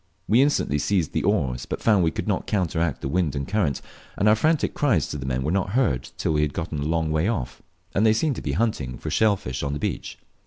We instantly seized the oars, but found we could not counteract the wind and current, and our frantic cries to the men were not heard till we had got a long way off; as they seemed to be hunting for shell fish on the beach.